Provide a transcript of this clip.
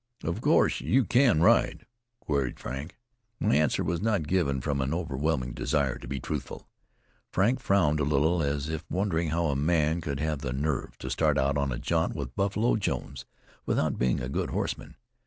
"Of course you can ride?" queried Frank. My answer was not given from an overwhelming desire to be truthful. Frank frowned a little, as it wondering how a man could have the nerve to start out on a jaunt with Buffalo Jones without being a good horseman.